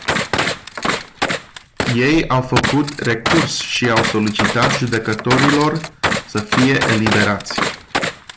Ei au făcut recurs și au solicitat judecătorilor să fie eliberați.